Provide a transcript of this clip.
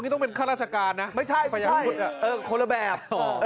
ต้องเป็นข้าราชการนะไม่ใช่คนละแบบ